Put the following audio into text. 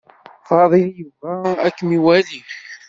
Faḍil yebɣa ad kem-iwali.